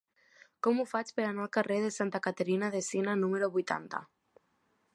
Com ho faig per anar al carrer de Santa Caterina de Siena número vuitanta?